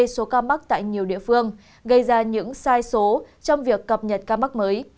số ca mắc tại nhiều địa phương gây ra những sai số trong việc cập nhật ca mắc mới